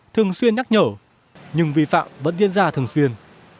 thường xuyên nhắc nhở nhưng vi phạm vẫn diễn ra thường xuyên